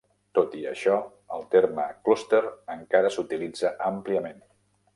Tot i això, el terme clúster encara s'utilitza àmpliament.